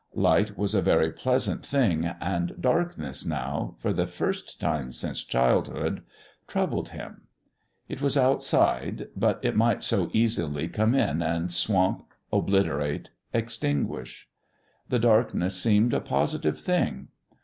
Light was a very pleasant thing; and darkness now, for the first time since childhood, troubled him. It was outside; but it might so easily come in and swamp, obliterate, extinguish. The darkness seemed a positive thing.